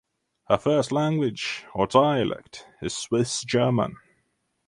Her first language (or dialect) is Swiss German.